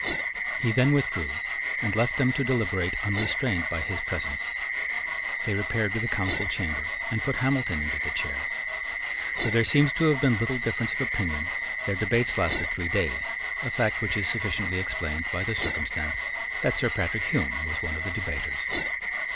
He then withdrew, and left them to deliberate unrestrained by his presence. They repaired to the Council chamber, and put Hamilton into the chair. Though there seems to have been little difference of opinion, their debates lasted three days, a fact which is sufficiently explained by the circumstance that Sir Patrick Hume was one of the debaters.